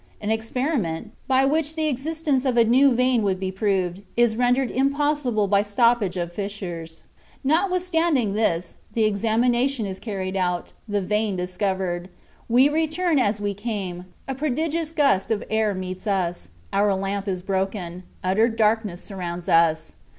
An experiment, by which the existence of a new vein would be proved, is rendered impossible by stoppage of fissures. Notwithstanding this, the examination is carried out, the vein discovered. We return as we came, a prodigious gust of air meets us, our lamp is broken, utter darkness surrounds us.